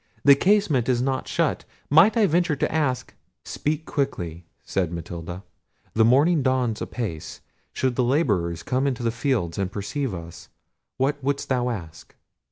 the casement is not shut; might I venture to ask—" "Speak quickly," said Matilda; "the morning dawns apace: should the labourers come into the fields and perceive us—What wouldst thou ask?"